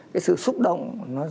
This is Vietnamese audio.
cái sự xúc động